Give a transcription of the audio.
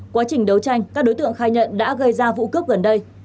quá trình đấu tranh các đối tượng khai nhận đã gây ra vụ cướp gần đây